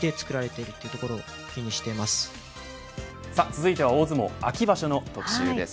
続いては大相撲秋場所の特集です。